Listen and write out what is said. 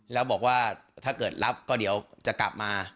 แล้วบอกว่าถ้าเกิดรับก็เดี๋ยวจะกลับมา